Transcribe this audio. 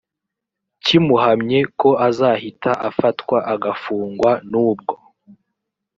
kimuhamye ko azahita afatwa agafungwa nubwo